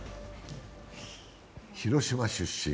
広島出身。